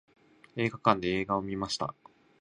映画館で映画を観ました。